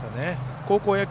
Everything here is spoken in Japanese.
高校野球